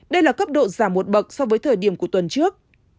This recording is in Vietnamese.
đây là cấp độ giảm một bậc so với thời điểm của tuần trước